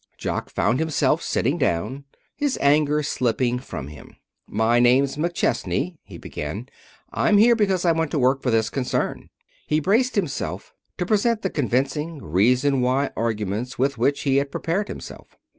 Jock found himself sitting down, his anger slipping from him. "My name's McChesney," he began. "I'm here because I want to work for this concern." He braced himself to present the convincing, reason why arguments with which he had prepared himself.